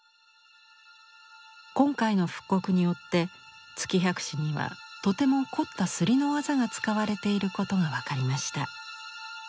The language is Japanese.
今回の復刻によって「月百姿」にはとても凝った摺りの技が使われていることが分かりました。